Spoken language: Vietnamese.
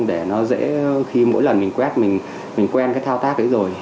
để nó dễ khi mỗi lần mình quét mình quen cái thao tác đấy rồi